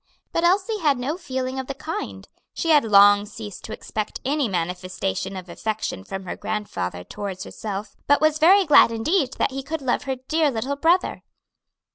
But Elsie had no feeling of the kind; she had long ceased to expect any manifestation of affection from her grandfather towards herself, but was very glad indeed that he could love her dear little brother.